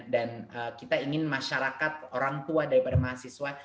dan kita ingin masyarakat orang tua daripada mahasiswa